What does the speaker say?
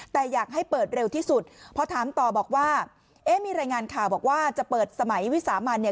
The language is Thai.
แต่อยากให้เปิดเร็วที่สุดพอถามต่อบอกว่าเอ๊ะมีรายงานข่าวบอกว่าจะเปิดสมัยวิสามันเนี่ย